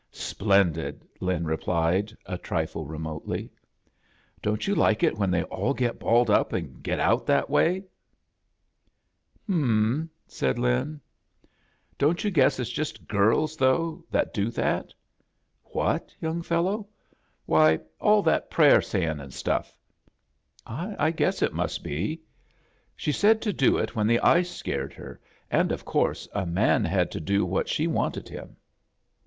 "Splendid," Lin replied, a trifle re motely. "Don't you like it when they aH get balled tip and get out tfiat way?" ^1 A JOURNEY IN SEARCH OF CHRISTMAS "Hununii^," said Lin. "Don't YOU guess H:'s just girls, thot^h, that do that?" "What, young feUow?" 1^ "Why, all that prayer saying an' stuff." ''I guess H must be." "She said to do it when the ice scared het, an' of course a man had to do what she wanted him."